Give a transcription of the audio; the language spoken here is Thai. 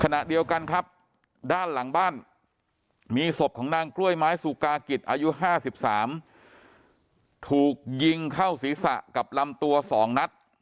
ขณะเดียวกันครับด้านหลังบ้านมีศพของนางกล้วยไม้สุกากิจอายุ๕๓ถูกยิงเข้าศีรษะกับลำตัว๒นัด